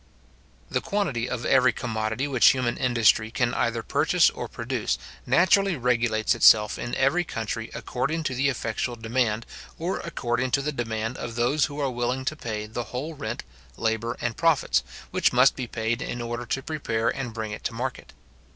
The quantity of every commodity which human industry can either purchase or produce, naturally regulates itself in every country according to the effectual demand, or according to the demand of those who are willing to pay the whole rent, labour, and profits, which must be paid in order to prepare and bring it to market.